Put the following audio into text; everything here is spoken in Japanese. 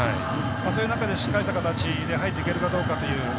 その中でしっかりした形で入っていけるかどうかという。